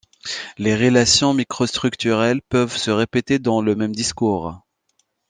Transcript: Les rélations microstructurelles peuvent se répéter dans le même discours.